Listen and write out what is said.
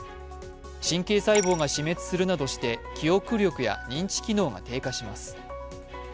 神経細胞が死滅するなどして記憶力や認知機能などが低下します。